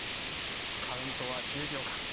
カウントは１０秒間。